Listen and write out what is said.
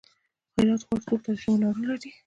هرات ښار څو تاریخي منارونه لري؟